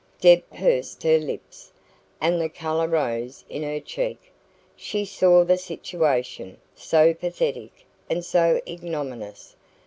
Deb pursed her lips, and the colour rose in her clear cheek. She saw the situation, so pathetic and so ignominious!